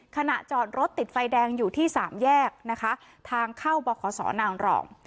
ขณะจอดรถติดไฟแดงอยู่ที่สามแยกนะคะทางเข้าบขสนางรอง